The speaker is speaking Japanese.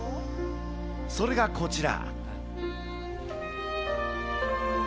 それがこちら。